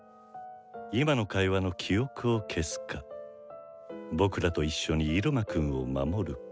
今の会話の記憶を消すか僕らと一緒に入間くんを守るか。